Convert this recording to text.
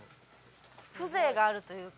風情があるというか。